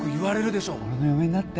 俺の嫁になって